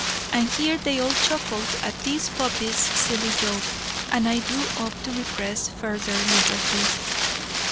And here they all chuckled at this puppy's silly joke, and I drew up to repress further liberties.